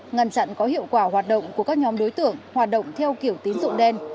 ngăn chặn có hiệu quả hoạt động của các nhóm đối tượng hoạt động theo kiểu tín dụng đen